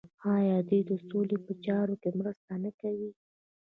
آیا دوی د سولې په چارو کې مرسته نه کوي؟